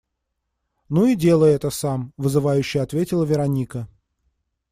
«Ну и делай это сам», - вызывающе ответила Вероника.